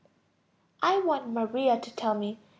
I want Maria to tell me.